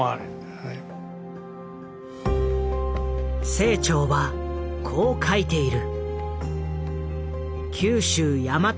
清張はこう書いている。